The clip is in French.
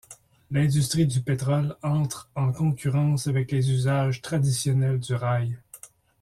L'industrie du pétrole entre en concurrence avec les usages traditionnels du rail.